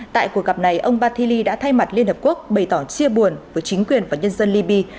tại cuộc gặp này ông bathili đã thay mặt liên hợp quốc bày tỏ chia buồn với chính quyền và nhân dân libya